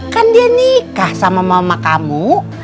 kan dia nikah sama mama kamu